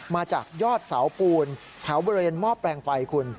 มาจากยอดเสาปูนแถวบริเวณหม้อแปลงไฟคุณ